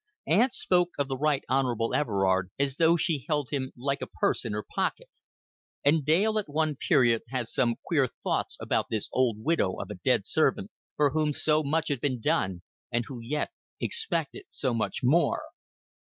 Aunt spoke of the Right Honorable Everard as though she held him like a purse in her pocket, and Dale at one period had some queer thoughts about this old widow of a dead servant for whom so much had been done and who yet expected so much more.